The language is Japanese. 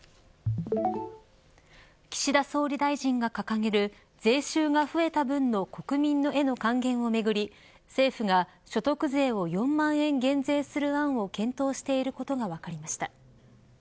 岸田総理大臣が掲げる税収が増えた分の国民への還元をめぐり政府が所得税を４万円減税する案を検討していることが分かりました。